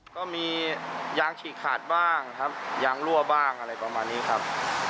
ก็มียางฉีกขาดบ้างครับยางรั่วบ้างอะไรประมาณนี้ครับ